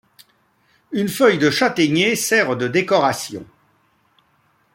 Une feuille de châtaignier sert de décoration.